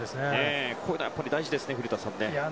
こういうの大事ですね古田さん。